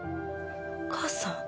お母さん。